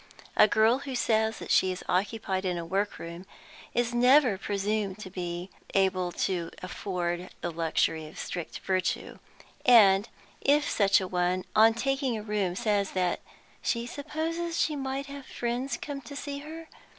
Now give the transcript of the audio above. A girl who says that she is occupied in a workroom is never presumed to be able to afford the luxury of strict virtue, and if such a one, on taking a room, says that "she supposes she may have friends come to see her?"